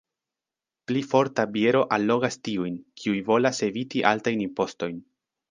Pli forta biero allogas tiujn, kiuj volas eviti altajn impostojn.